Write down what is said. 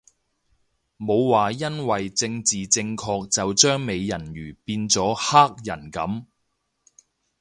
冇話因為政治正確就將美人魚變咗黑人噉